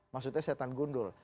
maksudnya setan gundul